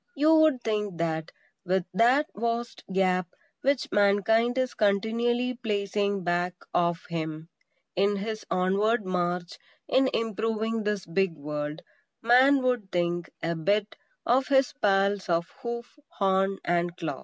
You would think that, with that vast gap which Mankind is continually placing back of him in his onward march in improving this big world, Man would think, a bit, of his pals of hoof, horn and claw.